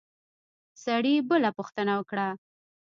سړي بله پوښتنه وکړه.